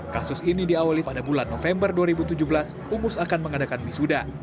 kasus ini diawali pada bulan november dua ribu tujuh belas umus akan mengadakan wisuda